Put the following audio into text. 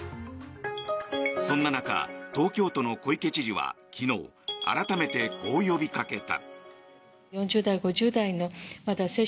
そんな中東京都の小池知事は昨日改めてこう呼びかけた。